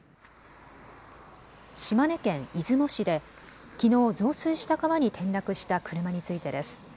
島根県出雲市できのう増水した川に転落した車についてです。